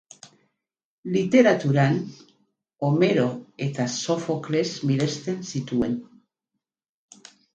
Literaturan, Homero eta Sofokles miresten zituen.